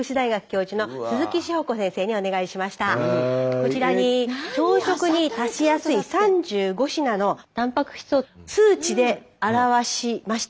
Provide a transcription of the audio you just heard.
こちらに朝食に足しやすい３５品のたんぱく質を数値で表しました。